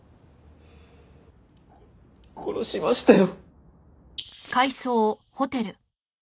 殺しましたよ。